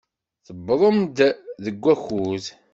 Tewwḍem-d deg wakud.